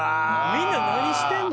みんな何してんの？